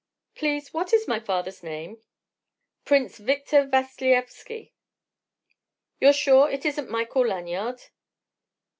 "Please: what is my father's name?" "Prince Victor Vassilyevski." "You're sure it isn't Michael Lanyard?"